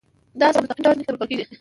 دا سره په مستقیم ډول ځمکې ته ورکول کیږي.